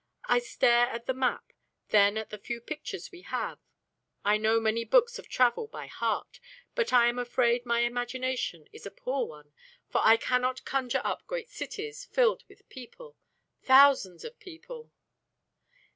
I stare at the map, then at the few pictures we have. I know many books of travel by heart; but I am afraid my imagination is a poor one, for I cannot conjure up great cities filled with people thousands of people!